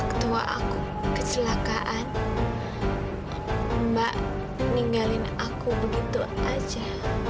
ketua aku kecelakaan mbak ninggalin aku begitu aja